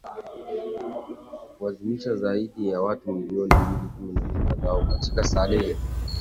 kuwalazimisha zaidi ya watu milioni mbili kukimbia nyumba zao katika Sahel